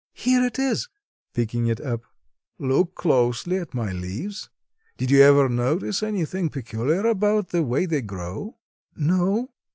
"Here it is," picking it up. "Look closely at my leaves. Did you ever notice anything peculiar about the way they grow?" "No.